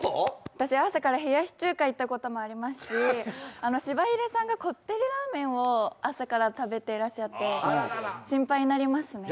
私、朝から冷やし中華いったこともありますししばひでさんがこってりラーメンを朝から食べていらっしゃって心配になりますね。